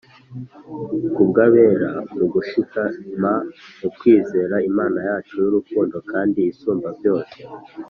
ku bw’abera mu gushikama mu kwizera Imana yacu y'urukundo kandi isumba byose.